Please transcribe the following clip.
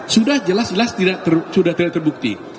sudah jelas jelas sudah tidak terbukti